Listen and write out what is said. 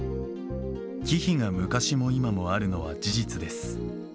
忌避が昔も今もあるのは事実です。